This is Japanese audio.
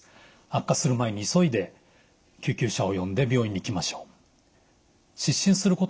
悪化する前に急いで救急車を呼んで病院に行きましょう。